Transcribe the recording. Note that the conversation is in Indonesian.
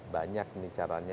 banyak nih caranya